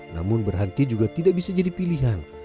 namun berhenti juga tidak bisa jadi pilihan